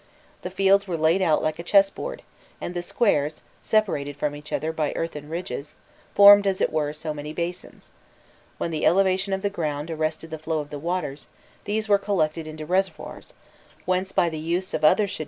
* The fields were laid out like a chess board, and the squares, separated from each other by earthen ridges, formed as it were so many basins: when the elevation of the ground arrested the flow of the waters, these were collected into reservoirs, whence by the use of other shadufs they were raised to a higher level.